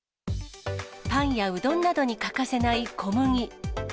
パンやうどんなどに欠かせない小麦。